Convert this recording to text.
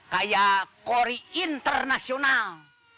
kayak kori internasional